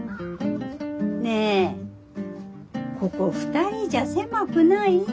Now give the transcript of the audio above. ここ２人じゃ狭くない？